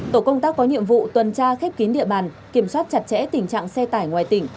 tổ công tác có nhiệm vụ tuần tra khép kín địa bàn kiểm soát chặt chẽ tình trạng xe tải ngoài tỉnh